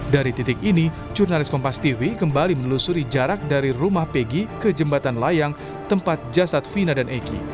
dari titik ini jurnalis kompas tv kembali menelusuri jarak dari rumah pegi ke jembatan layang tempat jasad fina dan eki